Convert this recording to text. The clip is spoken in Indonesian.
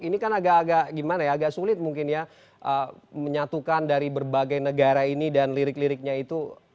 ini kan agak agak gimana ya agak sulit mungkin ya menyatukan dari berbagai negara ini dan lirik liriknya itu